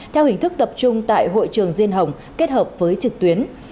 theo hình thức tập trung tại hội trường diên hồng kết hợp với trực tuyến